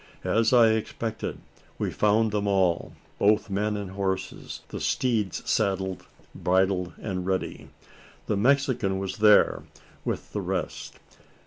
As I expected, we found them all both men and horses the steeds saddled, bridled, and ready. The Mexican was there with the rest.